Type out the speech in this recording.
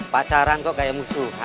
pacaran kok kayak musuhan